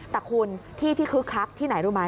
แต่คุณที่ที่คึกคักที่ไหนรู้ไหม